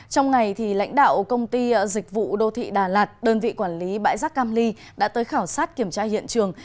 trong ngày lãnh đạo công ty dịch vụ đô thị đà lạt đơn vị quản lý bãi rác cam ly đã tới khảo sát kiểm tra hiện trường